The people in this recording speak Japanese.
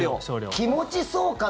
気持ちそうかな？